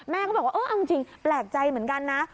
ก็บอกว่าเออเอาจริงแปลกใจเหมือนกันนะ